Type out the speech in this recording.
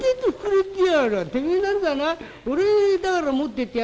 てめえなんざな俺だから持っててやるんだぞ。